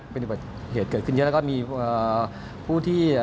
เป็นอุบัติเหตุเกิดขึ้นเยอะแล้วก็มีผู้ที่